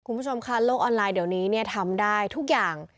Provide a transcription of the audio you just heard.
คุณผู้ชมค่ะโลกออนไลน์เดี๋ยวนี้เนี่ยทำได้ทุกอย่าง